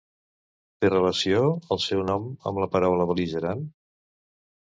Té relació el seu nom amb la paraula bel·ligerant?